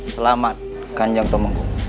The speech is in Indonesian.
selamat kanjeng temengku